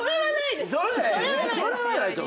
それはないです！